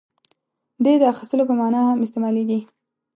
• دې د اخیستلو په معنیٰ هم استعمالېږي.